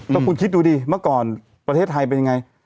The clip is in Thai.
แล้วคุณคิดดูดิเมื่อก่อนประเทศไทยเป็นยังไง